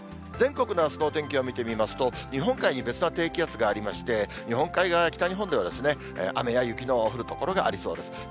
全国のあすのお天気を見てみますと、日本海に別の低気圧がありまして、日本海側、北日本では雨や雪の降る所がありそうです。